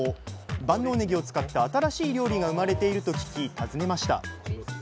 万能ねぎを使った新しい料理が生まれていると聞き訪ねました